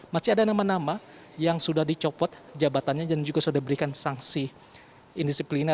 masih ada nama nama yang sudah dicopot jabatannya dan juga sudah diberikan sanksi indisiplina